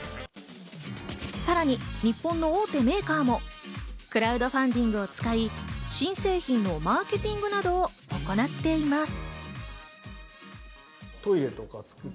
さらに日本の大手メーカーもクラウドファンディングを使い、新製品のマーケティングなどを行っています。